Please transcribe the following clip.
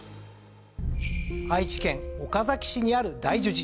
愛知県岡崎市にある大樹寺。